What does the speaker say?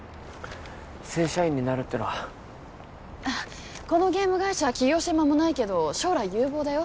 正社員になるってのはあっこのゲーム会社は起業して間もないけど将来有望だよ